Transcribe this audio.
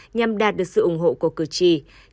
nhằm đạt được sự ủng hộ của cử tri